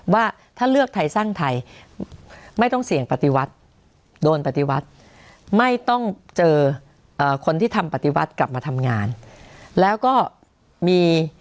ว่าถ้าเลือกไทยสร้างไทยไม่ต้องเสี่ยงปฏิวัติ